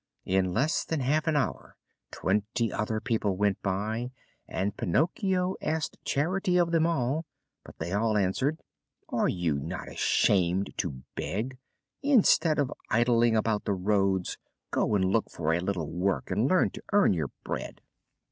In less than half an hour twenty other people went by, and Pinocchio asked charity of them all, but they all answered: "Are you not ashamed to beg? Instead of idling about the roads, go and look for a little work and learn to earn your bread."